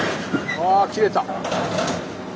ああ切れた！